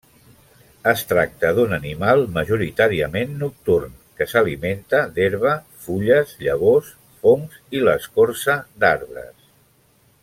Es tracta d'un animal majoritàriament nocturn que s'alimenta d'herba, fulles, llavors, fongs i l'escorça d'arbres.